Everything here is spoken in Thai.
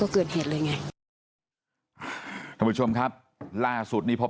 มันใจยี๊วนแบบอื้มแบบแล้วอีกอย่าง